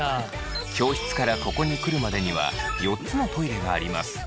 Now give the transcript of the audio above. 教室からここに来るまでには４つのトイレがあります。